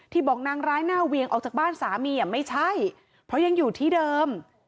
บอกนางร้ายหน้าเวียงออกจากบ้านสามีไม่ใช่เพราะยังอยู่ที่เดิม